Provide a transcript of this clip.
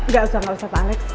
gak usah gak usah pak alex